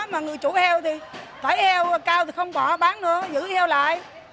mà người chủ heo thì thấy heo cao thì không bỏ bán nữa giữ heo lại